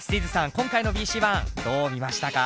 今回のＢＣＯｎｅどう見ましたか？